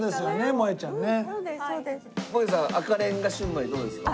もえさん赤レンガシウマイどうですか？